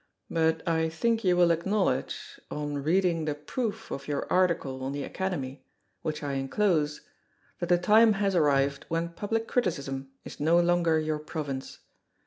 But I think you will acknowledge, on reading the proof of your article on the Academy, which I enclose, that the time has arrived when public criticism is no longer your province.